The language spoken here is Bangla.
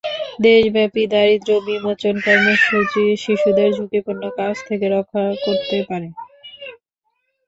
দেশব্যাপী দারিদ্র্য বিমোচন কর্মসূচি শিশুদের ঝুঁকিপূর্ণ কাজ থেকে রক্ষা করতে পারে।